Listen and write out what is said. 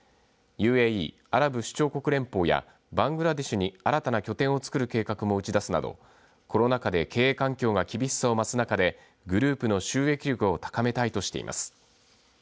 ＵＡＥ、アラブ首長国連邦やバングラデシュに新たな拠点をつくる計画を打ち出すなどコロナ禍で経営環境が厳しさを増す中でグループの収益力を高めたいとしています。